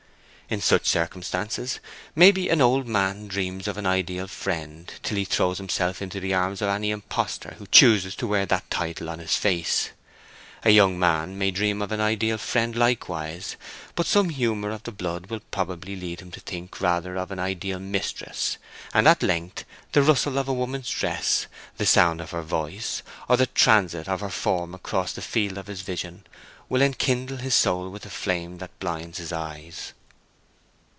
In such circumstances, maybe, an old man dreams of an ideal friend, till he throws himself into the arms of any impostor who chooses to wear that title on his face. A young man may dream of an ideal friend likewise, but some humor of the blood will probably lead him to think rather of an ideal mistress, and at length the rustle of a woman's dress, the sound of her voice, or the transit of her form across the field of his vision, will enkindle his soul with a flame that blinds his eyes.